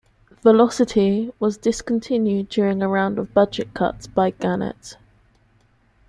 "Velocity" was discontinued during a round of budget cuts by Gannett.